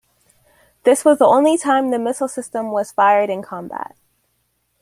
This was the only time the missile system was fired in combat.